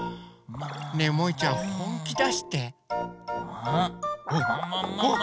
ねえもいちゃんほんきだして！